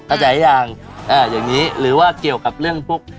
จ่ายอย่างอย่างนี้หรือว่าเกี่ยวกับเรื่องพวก